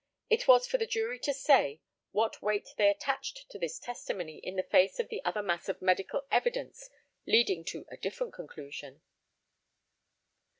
It was for the jury to say what weight they attached to this testimony in the face of the other mass of medical evidence leading to a different conclusion.